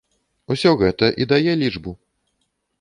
Усё гэта і дае лічбу.